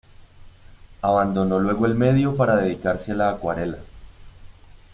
Abandonó luego el medio para dedicarse a la acuarela.